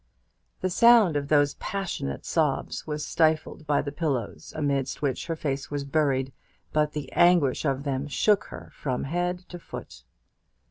The sound of those passionate sobs was stifled by the pillows amidst which her face was buried, but the anguish of them shook her from head to foot.